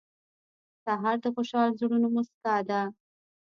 سهار د خوشحال زړونو موسکا ده.